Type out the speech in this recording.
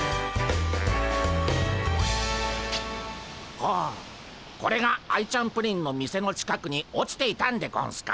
ほうこれがアイちゃんプリンの店の近くに落ちていたんでゴンスか。